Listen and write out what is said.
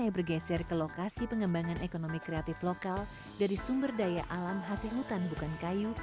yang bergeser ke lokasi pengembangan ekonomi kreatif lokal dari sumber daya alam hasil hutan bukan kayu